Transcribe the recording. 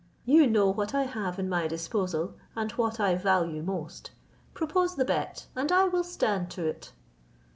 You know what I have in my disposal, and what I value most; propose the bet, and I will stand to it."